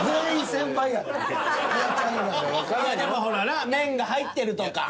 でもほらな麺が入ってるとか。